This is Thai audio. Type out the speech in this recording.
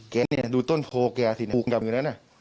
แกเนี่ยดูต้นโพลแกสิปลูกอยู่นั่นเนี่ย